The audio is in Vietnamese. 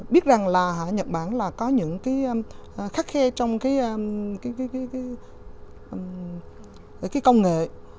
biết rằng là nhật bản là có những cái khắt khe trong cái công nghệ